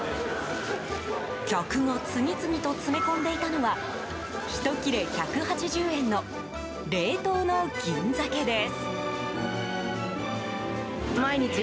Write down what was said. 客が次々と詰め込んでいたのはひと切れ１８０円の冷凍の銀鮭です。